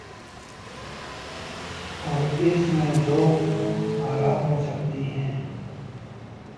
اوراس میں دو آرا ہو سکتی ہیں۔